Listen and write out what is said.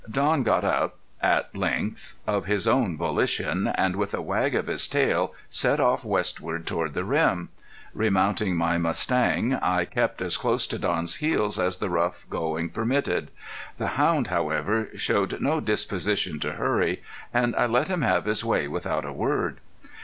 Don got up, at length of his own volition and with a wag of his tail set off westward along the rim. Remounting my mustang I kept as close to Don's heels as the rough going permitted. The hound, however, showed no disposition to hurry, and I let him have his way without a word.